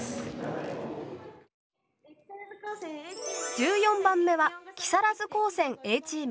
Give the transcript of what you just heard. １４番目は木更津高専Ａチーム。